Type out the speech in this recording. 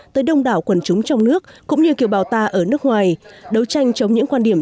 tới đông đảo quần chúng trong nước cũng như kiều bào ta ở nước ngoài đấu tranh chống những quan điểm